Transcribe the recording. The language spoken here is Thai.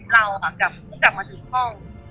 เรากลับมาถึงห้อง